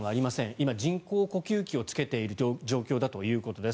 今、人工呼吸器をつけている状況だということです。